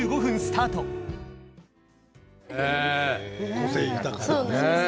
個性豊かですね。